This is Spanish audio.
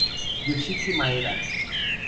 Yoshiki Maeda